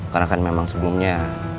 karena kan memang sebelumnya